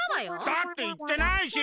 だっていってないし。